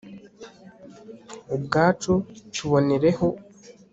ubwacu, tubonereho